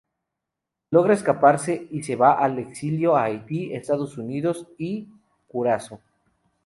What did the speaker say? Logra escaparse, y se va al exilio a Haití, Estados Unidos y Curazao.